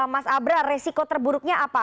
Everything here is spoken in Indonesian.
mas abra resiko terburuknya apa